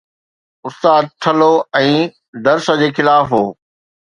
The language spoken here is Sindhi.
استاد ٿلهو ۽ درس جي خلاف هو